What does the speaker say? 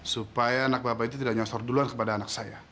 supaya anak bapak itu tidak nyonsor duluan kepada anak saya